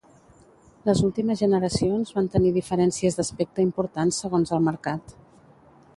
Les últimes generacions van tenir diferències d'aspecte importants segons el mercat.